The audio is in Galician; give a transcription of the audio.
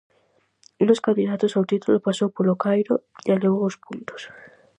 Un dos candidatos ao título pasou polo Cairo e levou os puntos.